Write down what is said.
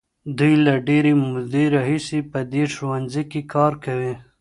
دوی له ډېرې مودې راهیسې په دې ښوونځي کې کار کوي.